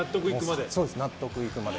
納得いくまで。